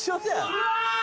うわ！